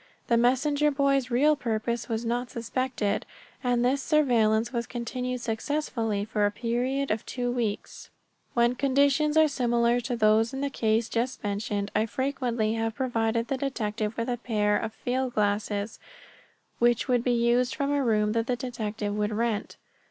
The messenger boy's real purpose was not suspected, and this surveillance was continued successfully for a period of two weeks. When conditions are similar to those in the case just mentioned I frequently have provided the detective with a pair of field glasses which would be used from a room that the detective would rent.